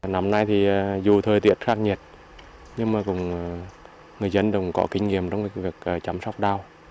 năm nay thì dù thời tiết khắc nhiệt nhưng mà cũng người dân đồng có kinh nghiệm trong việc chăm sóc đào